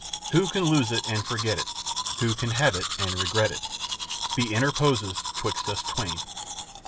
� Who can lose it and forget it? Who can have it and regret it? Be interposer 'twixt us Twain.